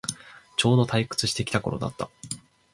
ちょうど退屈してきた頃だった